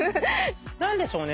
何でしょうね